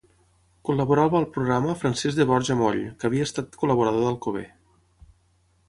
Col·laborava al programa Francesc de Borja Moll, que havia estat col·laborador d'Alcover.